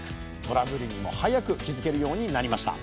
トラブルにも早く気付けるようになりました。